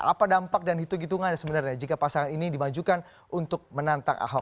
apa dampak dan hitung hitungan sebenarnya jika pasangan ini dimajukan untuk menantang ahok